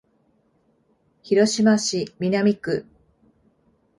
広島市南区